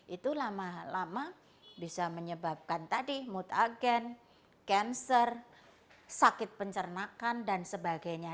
itu lama lama bisa menyebabkan tadi mood agen cancer sakit pencernakan dan sebagainya